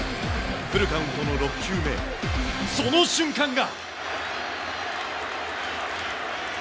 フルカウントの６球目、その瞬間が。